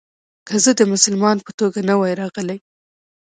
که زه د مسلمان په توګه نه وای راغلی.